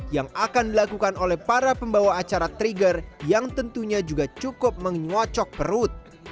yang akan dilakukan oleh para pembawa acara trigger yang tentunya juga cukup menyocok perut